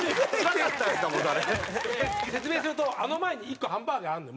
説明するとあの前に１個ハンバーガーあるのよ